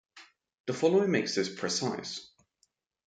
The following makes this precise.